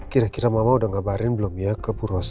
kira kira mama udah ngabarin belum ya ke purwasa